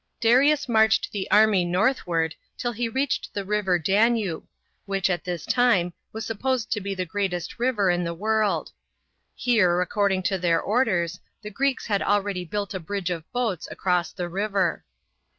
Darius marched the army northward till he reached the river Danube, which, at this time, was supposed to be the greatest river in the world. Here, according to their orders, the Greeks had already built a bridge of boats, across the river. 1 See chapter 19. 86 STOEY OF DARIUS. [B.C.